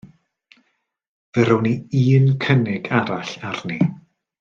Fe rown ni un cynnig arall arni.